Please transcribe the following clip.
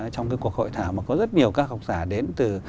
trong cái cuộc hội thảo mà có rất nhiều các học giả đến từ